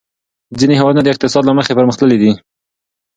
ځینې هېوادونه د اقتصاد له مخې پرمختللي دي.